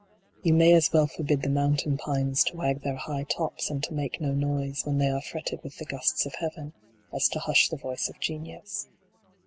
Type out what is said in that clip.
" You may as well forbid the mountain pines To wag their high tops, and to make no noise When they are fretten with the gusts of heaven," as to hush the voice of genius.